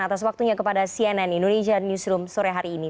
atas waktunya kepada cnn indonesia newsroom sore hari ini